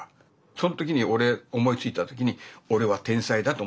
その時に俺思いついた時に「俺は天才だ」と思ったからね。